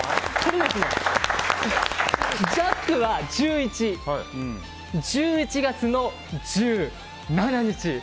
ジャックは１１１１月の１７日。